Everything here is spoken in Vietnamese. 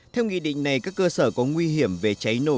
theo nghị định này các cơ sở có nguy hiểm về cháy nổ